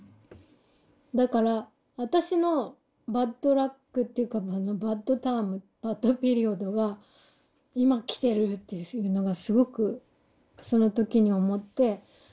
だから私のバッドラックっていうかバッドタームバッドピリオドが今来てるっていうのがすごくその時に思って。